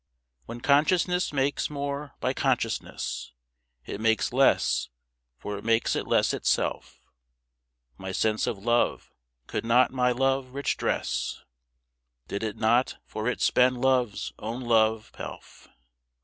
What consciousness makes more by consciousness, It makes less, for it makes it less itself, My sense of love could not my love rich dress Did it not for it spend love's own love pelf.